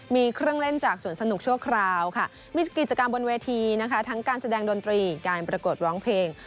มีเครื่องเล่นจากสวนสนุกชั่วคราวค่ะมีกิจกรรมบนเวทีนะคะทั้งการแสดงดนตรีการประกวดร้องเพลง